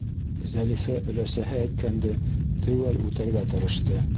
Зәлифә өләсәһе әйткәнде теүәл үтәргә тырышты.